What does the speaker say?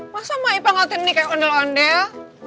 masa mau ipa ngelutin ini kayak ondel ondel